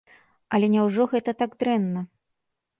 Але няўжо гэта так дрэнна?